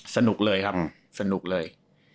สนุกเลยครับสนุกเลย